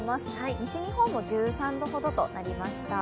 西日本も１３度ほどとなりました。